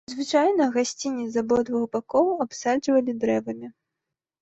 Звычайна, гасцінец з абодвух бакоў абсаджвалі дрэвамі.